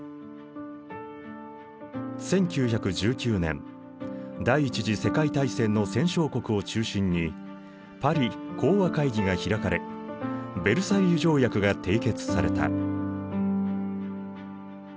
１９１９年第一次世界大戦の戦勝国を中心にパリ講和会議が開かれヴェルサイユ条約が締結された。